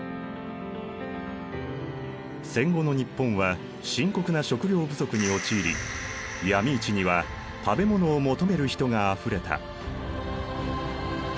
戦後の日本は深刻な食糧不足に陥り闇市には食べ物を求める人があふれた。